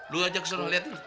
lu ajak ke sana lihat dulu